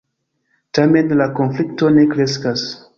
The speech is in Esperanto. Tamen la konflikto ne kreskas.